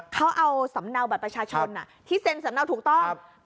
เขาเอาสำเนาบัตรประชาชนที่เซ็นสำเนาถูกต้อง